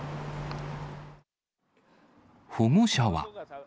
保護者は。